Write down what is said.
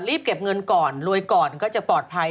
เก็บเงินก่อนรวยก่อนก็จะปลอดภัย